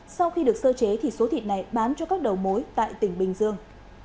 sau khi được sơ chế thì số thịt này bán cho các đầu mối tại tỉnh bình dương